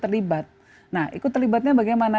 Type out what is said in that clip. terlibat nah ikut terlibatnya bagaimana